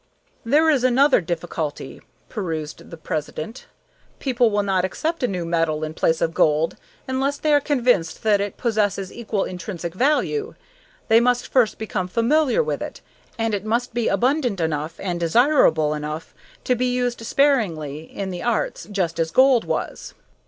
"There is another difficulty," pursued the president. "People will not accept a new metal in place of gold unless they are convinced that it possesses equal intrinsic value. They must first become familiar with it, and it must be abundant enough and desirable enough to be used sparingly in the arts, just as gold was."